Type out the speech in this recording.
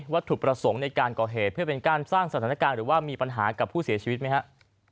ถูกประสงค์ในการก่อเหตุเพื่อเป็นการสร้างสถานการณ์หรือว่ามีปัญหากับผู้เสียชีวิตไหมครับ